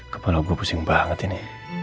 kepala gue pusing banget ini